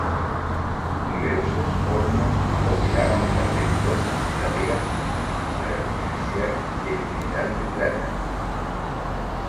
Numerosos hornos operaban en las ventosas laderas para beneficiar el mineral de plata.